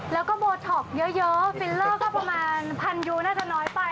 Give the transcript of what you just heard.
แล้วก็โบท็อกเยอะฟิลเลอร์ก็ประมาณพันยูน่าจะน้อยไป